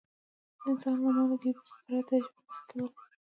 انسان له مالګې پرته ژوند نه شي کولای.